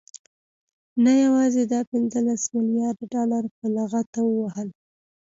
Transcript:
نه يوازې دا پنځلس مليارده ډالر په لغته ووهل،